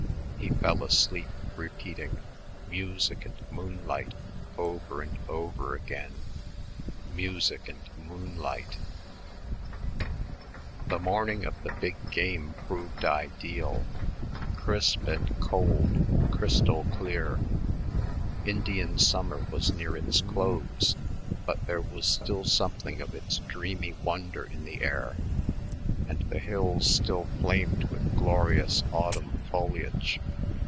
He fell asleep, repeating "music and moonlight" over and over again "music and moonlight...." The morning of the "big game" proved ideal, crisp and cold, crystal clear. Indian summer was near its close, but there was still something of its dreamy wonder in the air, and the hills still flamed with glorious autumn foliage.